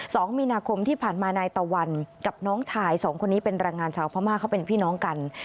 สองมีนาคมที่ผ่านมานายตะวันกับน้องชายสองคนนี้เป็นแรงงานชาวพม่าเขาเป็นพี่น้องกัน